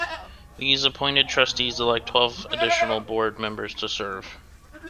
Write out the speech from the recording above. These appointed trustees elect twelve additional board members to serve.